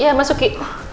ya masuk ki